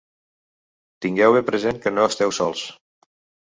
Tingueu ben present que no esteu sols!